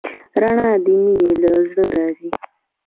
رڼا د مینې له زړه راځي.